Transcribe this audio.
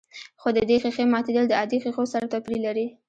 خو د دې ښيښې ماتېدل د عادي ښيښو سره توپير لري.